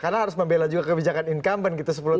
karena harus membela juga kebijakan incumbent gitu sepuluh tahun